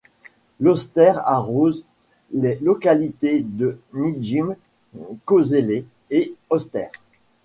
L'Oster arrose les localités de Nijyn, Kozelets et Oster.